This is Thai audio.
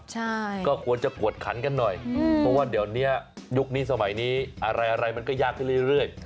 ใช่ก็ควรจะกวดขันกันหน่อยเพราะว่าเดี๋ยวนี้ยุคนี้สมัยนี้อะไรมันก็ยากขึ้นเรื่อย